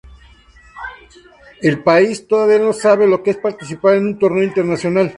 El país todavía no sabe lo que es participar en un torneo internacional.